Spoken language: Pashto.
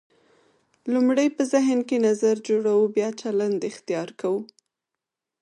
لومړی په ذهن کې نظر جوړوو بیا چلند اختیار کوو.